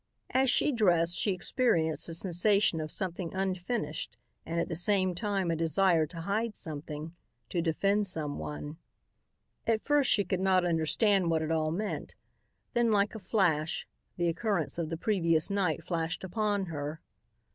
As she dressed she experienced a sensation of something unfinished and at the same time a desire to hide something, to defend someone. At first she could not understand what it all meant. Then, like a flash, the occurrence of the previous night flashed upon her.